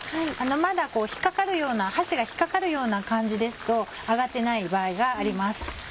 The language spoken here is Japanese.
まだ箸が引っ掛かるような感じですと揚がってない場合があります。